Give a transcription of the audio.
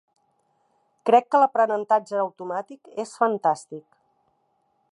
Crec que l'aprenentatge automàtic és fantàstic.